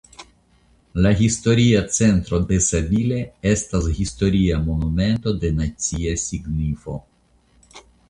La historia centro de Sabile estas historia monumento de nacia signifo.